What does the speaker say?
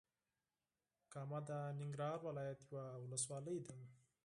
کامه د ننګرهار ولايت یوه ولسوالې ده.